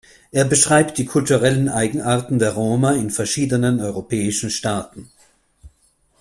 Er beschreibt die kulturellen Eigenarten der Roma in verschiedenen europäischen Staaten.